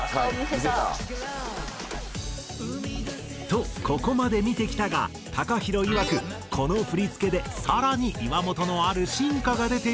とここまで見てきたがＴＡＫＡＨＩＲＯいわくこの振付で更に岩本のある進化が出ているという。